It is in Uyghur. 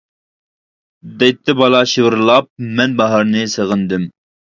دەيتتى بالا شىۋىرلاپ: مەن باھارنى سېغىندىم!